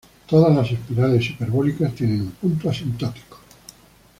Todas las espirales hiperbólicas tienen un punto asintótico.